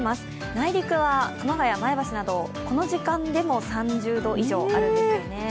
内陸は熊谷、前橋などこの時間でも３０度以上あるんですよね。